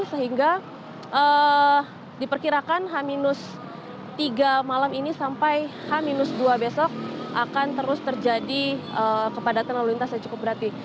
sehingga diperkirakan h tiga malam ini sampai h dua besok akan terus terjadi kepadatan lalu lintas yang cukup berarti